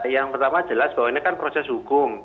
yang pertama jelas bahwa ini kan proses hukum